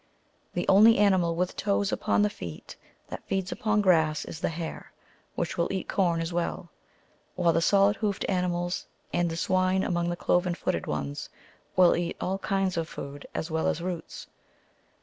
(73.) The only animal with toes upon the feet that feeds upon grass is the hare, which will eat corn as well ; while the solid hoofed animals, and the swine among the cloven footed ones, will eat all kinds of food, as well as roots.